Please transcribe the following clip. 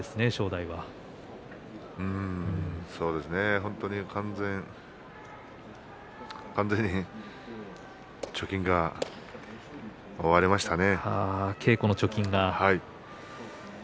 本当に完全に貯金が終わりましたね。